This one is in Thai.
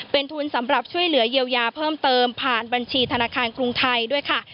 เป็นทุนสำหรับช่วยเหลือเยียวยาเพิ่มเติมผ่านบัญชีธนาคารกรุงไทยด้วยค่ะ